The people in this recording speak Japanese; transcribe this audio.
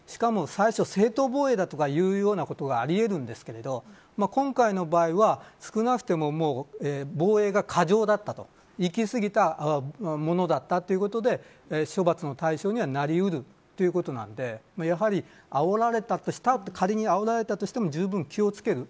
最初、正当防衛ということがあり得るんですが今回の場合は、少なくとも防衛が過剰だったといきすぎたものだったということで処罰の対象にはなりうるということなので仮にあおられたとしてもじゅうぶん気を付ける。